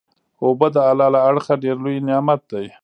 اوبه د الله له اړخه ډیر لوئ نعمت دی